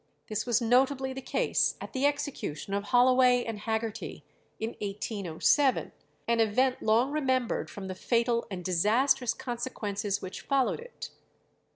This was notably the case at the execution of Holloway and Haggerty in 1807, an event long remembered from the fatal and disastrous consequences which followed it.